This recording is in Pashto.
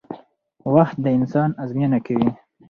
وخت د انسان ازموینه کوي